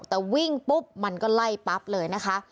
แต่วิ่งปุ๊บมันก็ไล่ปั๊บเลยนะคะ